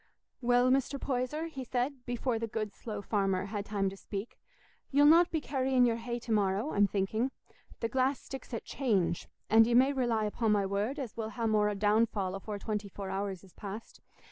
"Well, Mr. Poyser," he said, before the good slow farmer had time to speak, "ye'll not be carrying your hay to morrow, I'm thinking. The glass sticks at 'change,' and ye may rely upo' my word as we'll ha' more downfall afore twenty four hours is past.